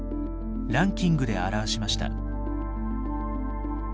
ランキングで表しました。